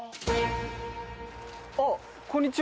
あっこんにちは・